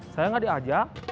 sayang gak diajak